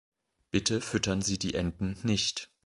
Bitte füttern Sie die Enten nicht!